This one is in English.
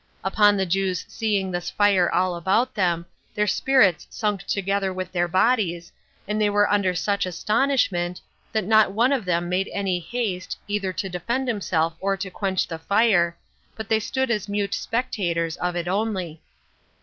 Upon the Jews seeing this fire all about them, their spirits sunk together with their bodies, and they were under such astonishment, that not one of them made any haste, either to defend himself or to quench the fire, but they stood as mute spectators of it only.